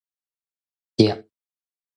屐